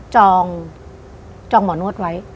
จองหมอนวดไว้